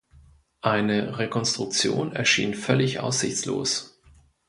Eine Rekonstruktion erschien völlig aussichtslos.